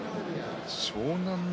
湘南乃